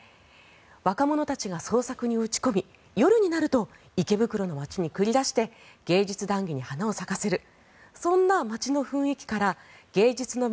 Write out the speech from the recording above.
若者たちが創作に打ち込み夜になると池袋の街に繰り出して芸術談議に花を咲かせるそんな街の雰囲気から芸術の都